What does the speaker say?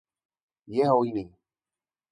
Je hojný.